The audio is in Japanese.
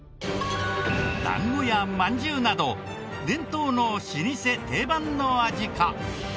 団子やまんじゅうなど伝統の老舗・定番の味か？